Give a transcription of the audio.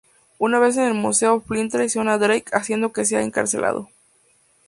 Una vez en el museo, Flynn traiciona a Drake, haciendo que sea encarcelado.